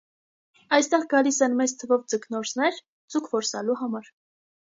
Այստեղ գալիս են մեծ թվով ձկնորսներ ձուկ որսալու համար։